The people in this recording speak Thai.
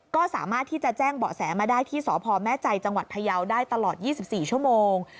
ก็สามารถที่จะแจ้งเบาะแสมาได้ที่สพแม่ใจจังหวัดพยาวได้ตลอด๒๔ชั่วโมง